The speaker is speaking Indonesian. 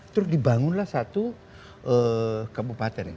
terus dibangunlah satu kebupatan